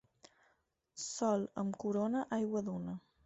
Sol amb corona, aigua dóna.